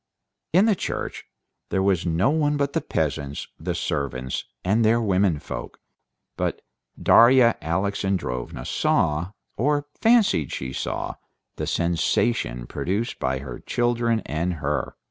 In the church there was no one but the peasants, the servants and their women folk. But Darya Alexandrovna saw, or fancied she saw, the sensation produced by her children and her.